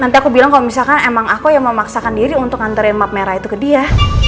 nanti aku bilang kalau misalkan emang aku yang memaksakan diri untuk nganterin map merah itu ke dia